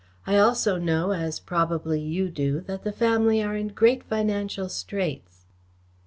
"I also know, as probably you do, that the family are in great financial straits."